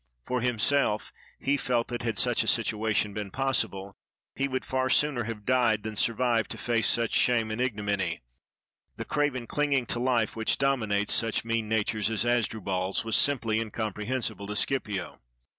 For himself he felt that, had such a situation been possible, he would far sooner have died than survived to face such shame and ignominy; the craven clinging to Ufe which dopii nates such mean natures as Hasdrubal's was simply incomprehensible to Scipio.